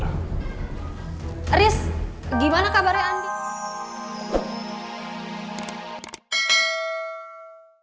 haris gimana kabarnya andi